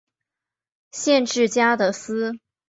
县治加的斯。